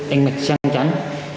anh mệt sang trắng